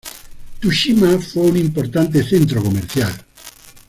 Tsushima fue un importante centro comercial.